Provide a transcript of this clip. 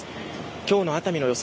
今日の熱海の予想